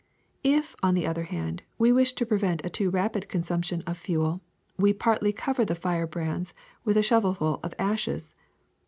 *^If, on the other hand, we wish to prevent a too rapid consumption of fuel, we partly cover the fire brands with a shovelful of ashes.